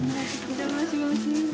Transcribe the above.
お邪魔します。